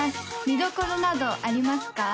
見どころなどありますか？